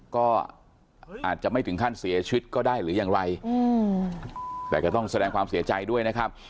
ก็อาจจะไม่ถึงขั้นเสียชีวิตก็ได้หรือยังไรแต่ก็ต้องแสดงความเสียใจด้วยนะครับ